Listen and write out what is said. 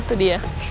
oh itu dia